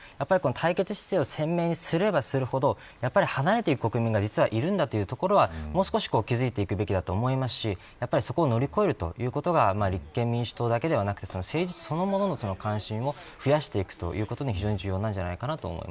対決姿勢を鮮明にすればするほど離れていく国民がいるんだということはもう少し気付いていくべきだと思いますしそこを乗り越えることが立憲民主党だけではなくて政治そのものの関心を増やしていくということに非常に重要なんじゃないかな